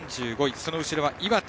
その後ろは岩手。